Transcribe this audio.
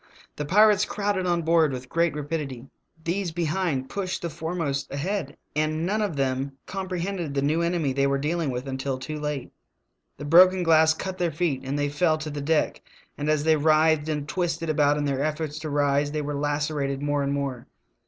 The pirates crowded on board with great rapidity; these behind pushed the foremost ahead, and none of them comprehended the new enemy they were dealing with until too late. The broken glass cut their feet and they fell to the deck ; and as they writhed and twisted about in their efforts to rise they were lacerated more and more.